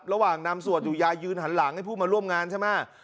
ระหว่างนำสวดอยู่ยายยืนหันหลังให้ผู้มาร่วมงานใช่ไหม